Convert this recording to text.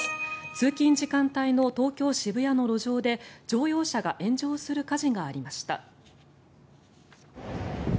通勤時間帯の東京・渋谷の路上で乗用車が炎上する火事がありました。